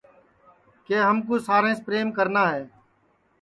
کہ ہم کُو ساریںٚس پریم کرنا ہے